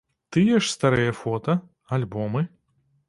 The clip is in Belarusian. Тыя ж старыя фота, альбомы?